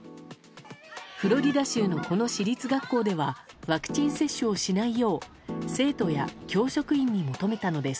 フロリダ州のこの私立学校ではワクチン接種をしないよう生徒や教職員に求めたのです。